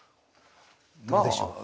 どうでしょう？